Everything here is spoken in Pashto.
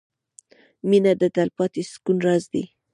• مینه د تلپاتې سکون راز دی.